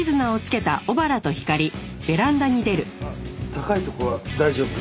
高い所は大丈夫？